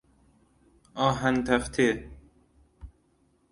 آهن تفته